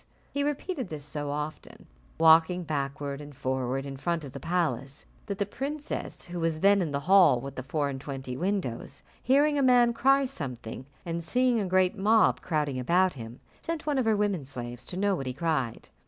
He repeated this so often, walking backward and forward in front of the palace, that the princess, who was then in the hall with the four and twenty windows, hearing a man cry something, and seeing a great mob crowding about him, sent one of her women slaves to know what he cried.